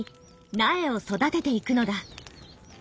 苗を育てていくのだ。